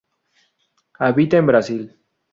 Habita en Brasil.